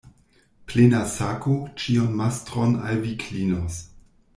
Plena sako ĉiun mastron al vi klinos.